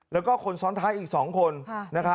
แล้วก็คนซ้อนท้ายอีก๒คนนะครับ